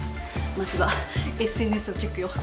まずはＳＮＳをチェックよ。